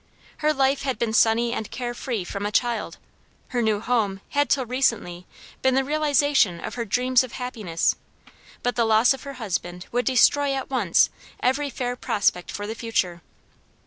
Her life had been sunny and care free from a child; her new home had till recently been the realization of her dreams of happiness; but the loss of her husband would destroy at once every fair prospect for the future.